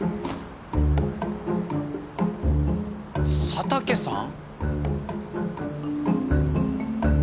佐竹さん？